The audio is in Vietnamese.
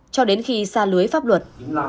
cho đến khi xa lưới pháp luật